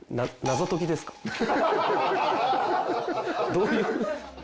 どういう。